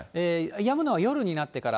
やむのは夜になってから。